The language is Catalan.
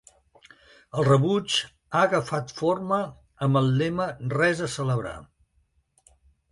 El rebuig ha agafat forma amb el lema ‘res a celebrar’.